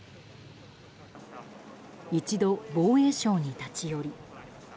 一度、防衛省に立ち寄り。